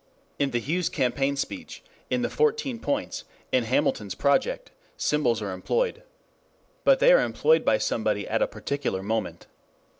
In the Hughes campaign speech, in the Fourteen Points, in Hamilton's project, symbols are employed. But they are employed by somebody at a particular moment.